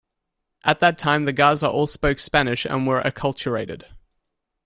At that time, the Garza all spoke Spanish and were acculturated.